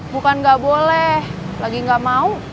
bukan gak boleh lagi gak mau